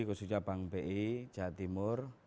khususnya bank bi jawa timur